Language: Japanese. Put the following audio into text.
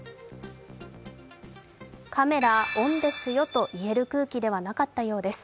「カメラオンですよ」と言える空気ではなかったようです。